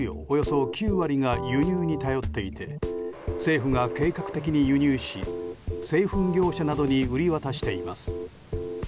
およそ９割が輸入に頼っていて政府が計画的に輸入し製粉業者などに売り渡しています。